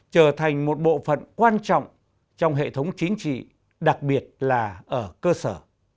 trở thành một bộ phận quan trọng trong hệ thống chính trị đặc biệt là ở cơ sở